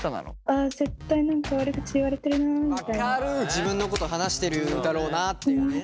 自分のこと話してるだろうなっていうね。